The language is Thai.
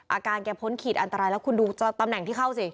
อาการแกพ้นขีดอันตรายแล้วคุณดูตำแหน่งที่เข้าสิ